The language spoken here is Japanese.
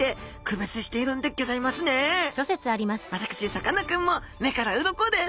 私さかなクンも目から鱗です！